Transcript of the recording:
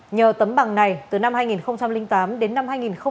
nhờ tấm bằng này từ năm hai nghìn tám đến năm hai nghìn một mươi